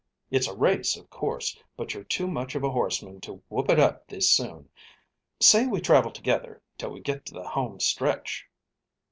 "It's a race, of course; but you're too much of a horseman to whoop it up this soon. Say we travel together till we get to the home stretch."